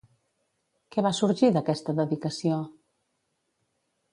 Què va sorgir d'aquesta dedicació?